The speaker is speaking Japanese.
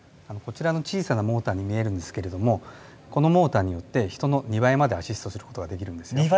こちらの小さなモーターに見えるんですけれどもこのモーターによって人の２倍までアシストする事ができるんですよ。